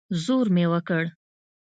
زور مې وکړ.